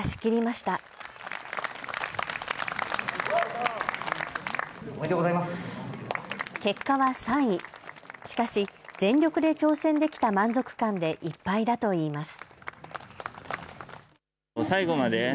しかし、全力で挑戦できた満足感でいっぱいだといいます。